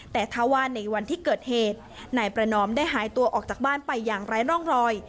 แต่ถ้าว่าในวันที่เกิดเหตุนายประนอมได้หายตัวออกจากบ้านไปอย่างไร้ร่องรอย